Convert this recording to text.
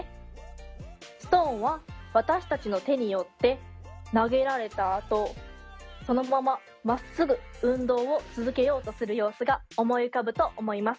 ストーンは私たちの手によって投げられたあとそのまままっすぐ運動を続けようとする様子が思い浮かぶと思います。